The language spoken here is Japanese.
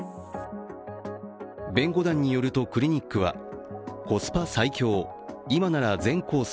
弁護団によると、クリニックはコスパ最強、今なら全コース